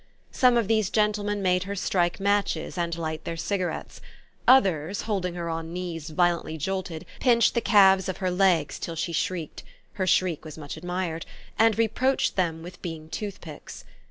Some of these gentlemen made her strike matches and light their cigarettes; others, holding her on knees violently jolted, pinched the calves of her legs till she shrieked her shriek was much admired and reproached them with being toothpicks.